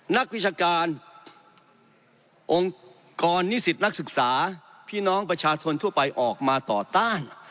นักวิชาการองค์กรนิสิตนักศึกษาพี่น้องประชาชนทั่วไปออกมาต่อต้าน